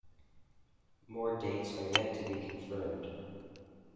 More dates are yet to be confirmed.